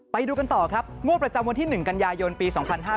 ไปดูกันต่อครับงวดประจำวันที่๑กันยายนปี๒๕๕๙